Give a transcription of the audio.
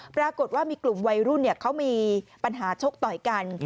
ปรากฏว่ามีกลุ่มวัยรุ่นเขามีปัญหาชกต่อยกัน